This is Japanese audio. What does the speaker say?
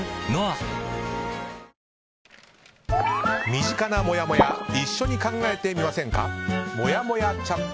身近なもやもや一緒に考えてみませんか。